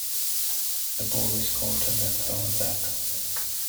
The ball is caught and then thrown back.